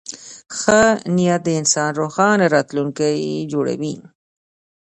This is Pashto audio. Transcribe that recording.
ښه نیت د انسان روښانه راتلونکی جوړوي.